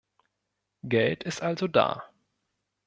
Geld ist also da.